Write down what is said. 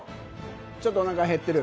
ちょっとおなか減ってる。